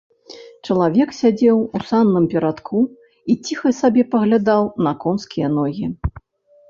Чалавек сядзеў у санным перадку і ціха сабе паглядаў на конскія ногі.